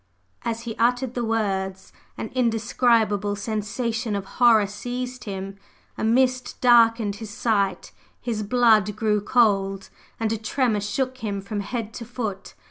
As he uttered the words, an indescribable sensation of horror seized him a mist darkened his sight, his blood grew cold, and a tremor shook him from head to foot.